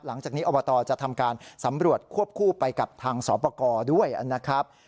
หลังจากนี้อบตจะทำการสำรวจควบคู่ไปกับทางสอบประกอบด้วยนะครับ